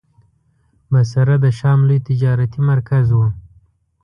بصره د شام لوی تجارتي مرکز و.